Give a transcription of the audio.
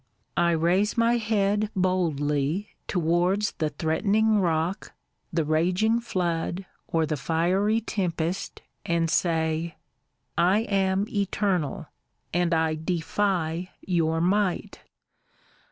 I raise my head boldly towards the threatening' rock, the raging' flood, or the fiery tempest, and say —' I am Eternal, and I defy your might!